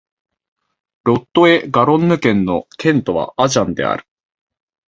ロット＝エ＝ガロンヌ県の県都はアジャンである